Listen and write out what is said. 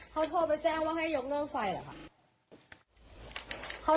เขาโทรไปแจ้งว่าให้ยกเลิกไฟเหรอคะ